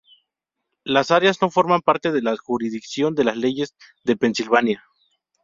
Las áreas no forman parte de la jurisdicción de las leyes de Pensilvania.